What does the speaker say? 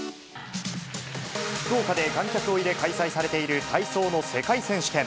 福岡で観客を入れ、開催されている体操の世界選手権。